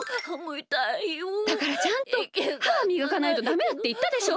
だからちゃんとははみがかないとダメだっていったでしょ！